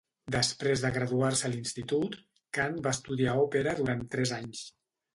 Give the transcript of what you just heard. Després de graduar-se a l'institut, Khan va estudiar òpera durant tres anys.